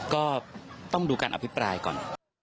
ก็ต้องดูการอภิปรายก่อน